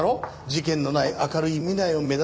事件のない明るい未来を目指し